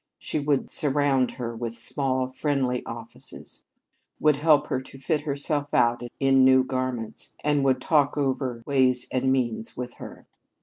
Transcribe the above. She would surround her with small, friendly offices; would help her to fit herself out in new garments, and would talk over ways and means with her.